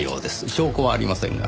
証拠はありませんが。